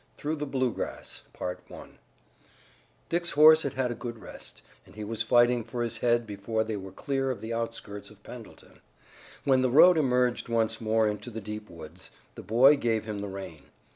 THROUGH THE BLUEGRASS Dick's horse had had a good rest, and he was fighting for his head before they were clear of the outskirts of Pendleton. When the road emerged once more into the deep woods the boy gave him the rein.